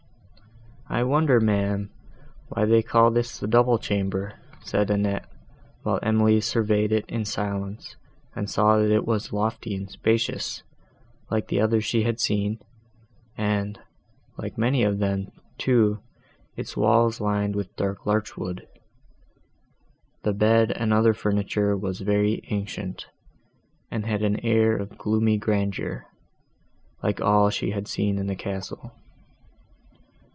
"I wonder, ma'am, why they call this the double chamber?" said Annette, while Emily surveyed it in silence and saw that it was lofty and spacious, like the others she had seen, and, like many of them, too, had its walls lined with dark larch wood. The bed and other furniture was very ancient, and had an air of gloomy grandeur, like all that she had seen in the castle.